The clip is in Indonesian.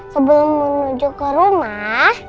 sebelum menuju ke rumah